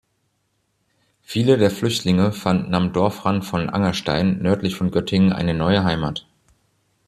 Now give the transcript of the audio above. Viele der Flüchtlinge fanden am Dorfrand von Angerstein nördlich von Göttingen eine neue Heimat.